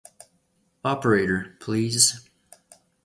Operator, please.